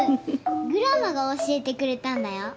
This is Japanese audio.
グランマが教えてくれたんだよ。